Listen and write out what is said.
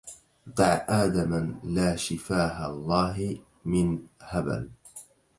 دع آدما لا شفاه الله من هبل